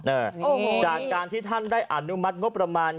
เออโอ้โหนี่จากการที่ท่านได้อนุมัติงบประมาณ